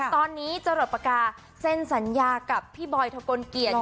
ตอนนี้จรดปากกาเซ็นสัญญากับพี่บอยทะกลเกียจ